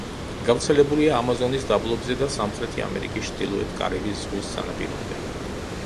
გავრცელებულია ამაზონის დაბლობზე და სამხრეთი ამერიკის ჩრდილოეთით კარიბის ზღვის სანაპირომდე.